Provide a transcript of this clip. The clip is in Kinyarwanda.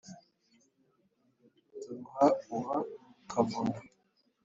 turuha uwa kavuna